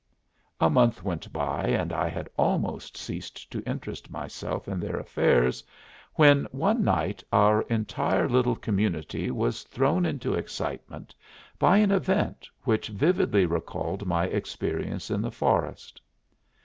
A month went by and I had almost ceased to interest myself in their affairs when one night our entire little community was thrown into excitement by an event which vividly recalled my experience in the forest.